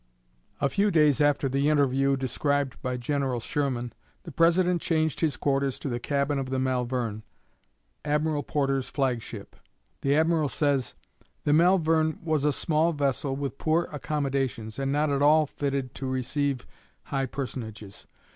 A few days after the interview described by General Sherman, the President changed his quarters to the cabin of the "Malvern," Admiral Porter's flagship. The Admiral says: "The 'Malvern' was a small vessel with poor accommodations, and not at all fitted to receive high personages.